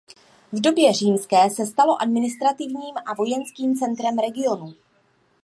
V době římské se stalo administrativním a vojenským centrem regionu.